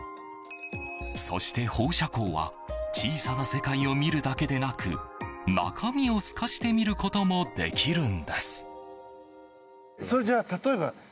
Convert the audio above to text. そして、放射光は小さな世界を見るだけでなく中身を透かして見ることもできるんです。